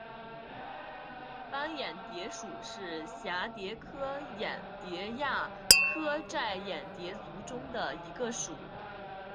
斑眼蝶属是蛱蝶科眼蝶亚科帻眼蝶族中的一个属。